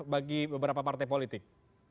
bagi beberapa partai politik